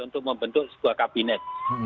untuk membentuk sebuah kabinet